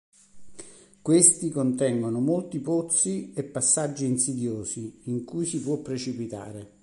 Questi contengono molti pozzi e passaggi insidiosi in cui si può precipitare.